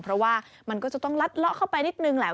เพราะว่ามันก็จะต้องลัดเลาะเข้าไปนิดนึงแหละ